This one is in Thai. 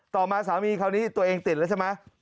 ต่อมาสามีคราวนี้ตัวเองติดแล้วใช่ไหม